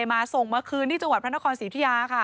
มาส่งมาคืนที่จังหวัดพระนครศรีอุทิยาค่ะ